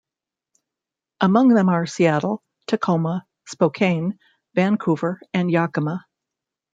Among them are Seattle, Tacoma, Spokane, Vancouver, and Yakima.